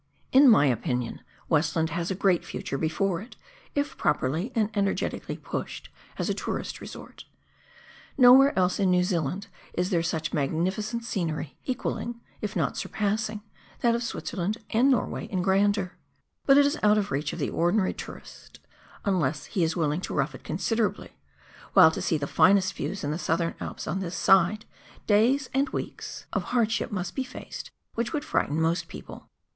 In my opinion, Westland has a great future before it, if properly and energetically pushed, as a tourist resort. Nowhere else in New Zealand is there such magnificent scenery, equalling, if not surpassing, that of Switzerland and Norway in grandeur. But it is out of reach of the ordinary tourist, unless he is willing to rough it considerably, while to see the finest views in the Southern Alps on this side, days and weeks of hardship 32 PIONEER WORK IN THE ALPS OF NEW ZEALAND. must be faced, whicli would frigliteii most people.